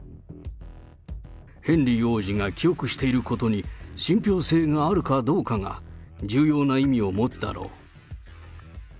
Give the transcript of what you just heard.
ヘンリー王子が記憶していることに信ぴょう性があるかどうかが重要な意味を持つだろう。